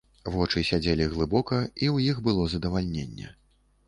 Вочы сядзелі глыбока, і ў іх было задавальненне.